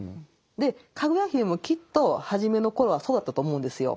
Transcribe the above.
でかぐや姫もきっと初めの頃はそうだったと思うんですよ。